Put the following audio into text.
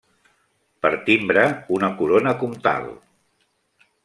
Per timbre una corona comtal.